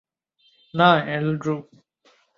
না, অ্যান্ড্রু।